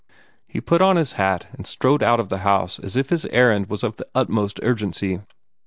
He put on his hat, and strode out of the house as if his errand was of the utmost urgency.